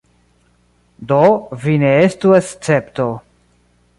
Do, vi ne estu escepto.